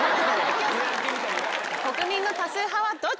国民の多数派はどっち？